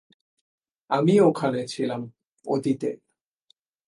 আমি ওখানে ছিলাম, অতীতে!